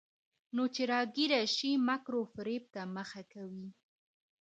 نو چې راګېره شي، مکر وفرېب ته مخه کوي.